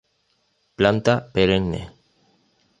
Planta perenne.